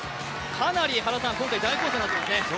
かなり今回、大混戦になってますね。